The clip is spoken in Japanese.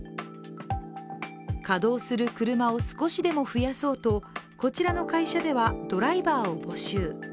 稼働する車を少しでも増やそうとこちらの会社ではドライバーを募集。